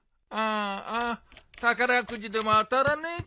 ああ宝くじでも当たらねえかな。